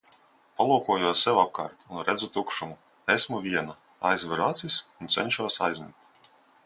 Palūkojos sev apkārt un redzu tukšumu. Esmu viena. Aizveru acis un cenšos aizmigt.